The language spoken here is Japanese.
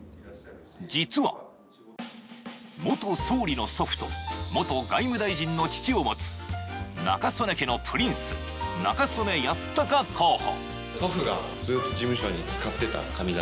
実は、元総理の祖父と、元外務大臣の父を持つ中曽根家のプリンス、中曽根康隆候補。